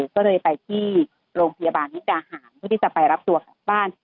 ก็เลยไปที่โรงพยาบาลมุกดาหารเพื่อที่จะไปรับตัวกลับบ้าน